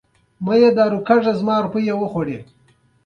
د ټولنیزو جنجالونو په کیسه کې وي.